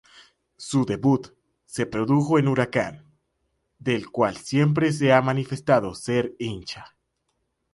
Su debut se produjo en Huracán, del cual siempre se ha manifestado ser hincha.